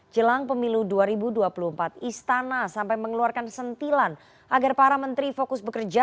jelang pemilu dua ribu dua puluh empat istana sampai mengeluarkan sentilan agar para menteri fokus bekerja